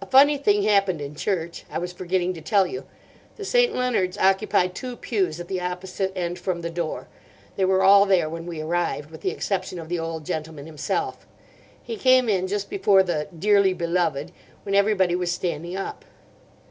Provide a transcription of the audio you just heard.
"A funny thing happened in church. I was forgetting to tell you. The St. Leonards occupy two pews at the opposite end from the door. They were all there when we arrived, with the exception of the old gentleman himself. He came in just before the 'Dearly Beloved,' when everybody was standing up.